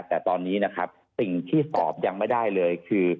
แต่ตอนนี้นะครับสิ่งที่สอบยังไม่ได้เลยคือ